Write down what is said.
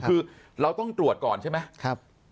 คือเราต้องตรวจก่อนใช่ไหม